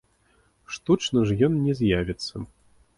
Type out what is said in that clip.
Штучна ж ён не з'явіцца!